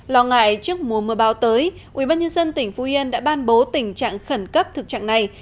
lo ngại trước mùa mưa bão tới ubnd tỉnh phú yên đã ban bố tình trạng khẩn cấp thực trạng này